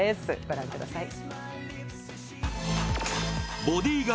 御覧ください。